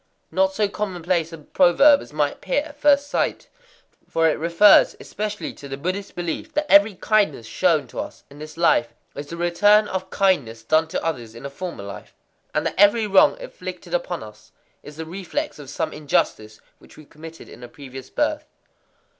Not so commonplace a proverb as might appear at first sight; for it refers especially to the Buddhist belief that every kindness shown to us in this life is a return of kindness done to others in a former life, and that every wrong inflicted upon us is the reflex of some injustice which we committed in a previous birth.